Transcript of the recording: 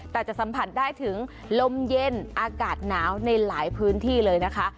แต่จะสัมผัสได้ถึงลมเย็นอากาศหนาวในหลายพื้นที่เลยนะคะ